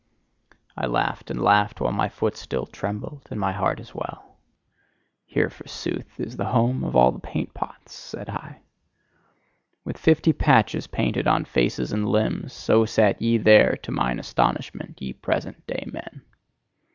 I laughed and laughed, while my foot still trembled, and my heart as well. "Here forsooth, is the home of all the paintpots," said I. With fifty patches painted on faces and limbs so sat ye there to mine astonishment, ye present day men!